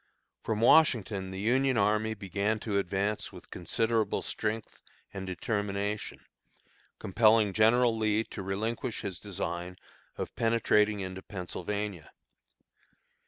From Washington the Union army began to advance with considerable strength and determination, compelling General Lee to relinquish his design of penetrating into Pennsylvania.